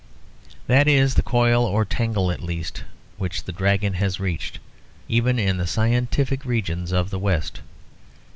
That is the coil or tangle, at least, which the dragon has reached even in the scientific regions of the West.